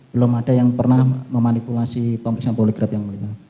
belum ada yang pernah memanipulasi pemeriksaan poligraf yang mulia